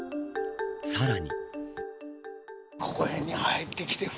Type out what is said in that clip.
さらに。